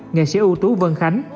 nghệ sĩ ưu tú vân khánh